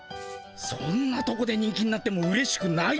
そんなとこで人気になってもうれしくないっての。